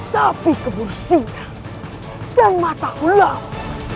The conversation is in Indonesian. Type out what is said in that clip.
tapi kebursinya dan mataku lama